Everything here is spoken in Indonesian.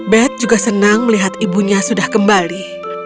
beth juga senang melihat ibunya sudah kembali